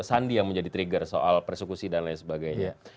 sandi yang menjadi trigger soal persekusi dan lain sebagainya